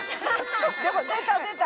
でも出た出た。